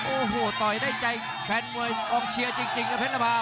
โอ้โหต่อยได้ใจแฟนมวยกองเชียร์จริงครับเพชรภา